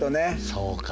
そうか。